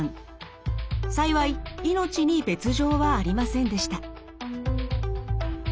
幸い命に別状はありませんでした。